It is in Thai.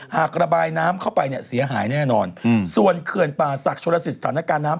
หากระบายน้ำเข้าไปเนี่ยเสียหายแน่นอนส่วนเขื่อนป่าศักดิ์ชนลสิตสถานการณ์น้ำ